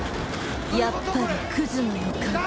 やっぱりクズの予感。